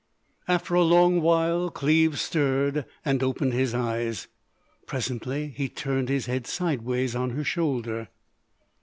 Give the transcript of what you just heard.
After a long while Cleves stirred and opened his eyes. Presently he turned his head sideways on her shoulder.